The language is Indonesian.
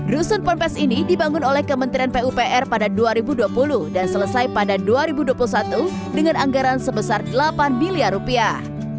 rusun pompes ini dibangun oleh kementerian pupr pada dua ribu dua puluh dan selesai pada dua ribu dua puluh satu dengan anggaran sebesar delapan miliar rupiah